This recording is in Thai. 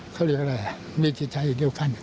เขาเรียกอะไรมีจิตใจเดียวกัน